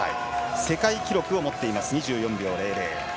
世界記録を持っています２４秒００。